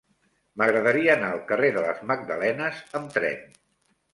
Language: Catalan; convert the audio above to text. M'agradaria anar al carrer de les Magdalenes amb tren.